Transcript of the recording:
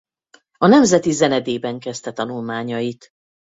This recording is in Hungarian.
A Nemzeti Zenedében kezdte tanulmányait.